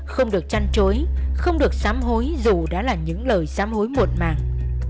không được chăn trối không được xám hối dù đã là những lời xám hối muộn màng